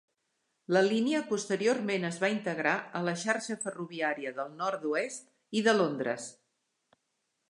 La línia posteriorment es va integrar a la xarxa ferroviària del Nord-oest i de Londres.